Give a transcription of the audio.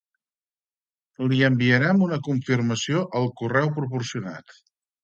Li enviarem una confirmació al correu proporcionat.